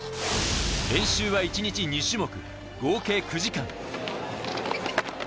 練習は１日２種目、合計９時間。